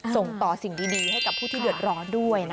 ส่งต่อสิ่งดีให้กับผู้ที่เดือดร้อนด้วยนะคะ